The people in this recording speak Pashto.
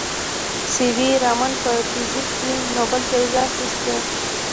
سي وي رامن په فزیک کې نوبل جایزه اخیستې.